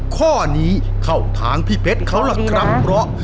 ข้อนี้เข้าทางพี่เพชรเขาล่ะครับเพราะ